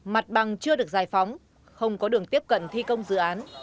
mặt bằng chưa được giải phóng không có đường tiếp cận thi công dự án